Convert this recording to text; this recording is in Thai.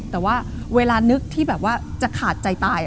แต่ว่าเวลานึกที่แบบว่าจะขาดใจตาย